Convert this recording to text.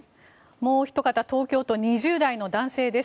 もうおひと方東京都、２０代の男性です。